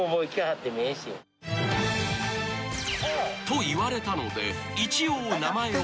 ［と言われたので名前を］